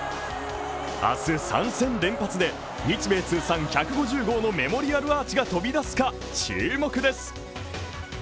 明日３戦連発で日米通算１５０号のメモリアルアーチが飛び出すか注目です。